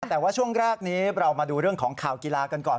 แต่ว่าช่วงแรกนี้เรามาดูเรื่องของข่าวกีฬากันก่อน